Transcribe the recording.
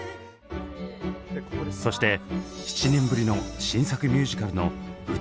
そして７年ぶりの新作ミュージカルの舞台裏に密着。